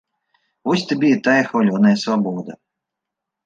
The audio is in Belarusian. Вось табе і тая хвалёная свабода!